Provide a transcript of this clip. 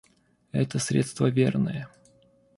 Это средство верное.